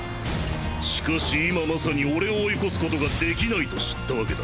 しかし今まさに俺を追いこす事ができないと知ったワケだ。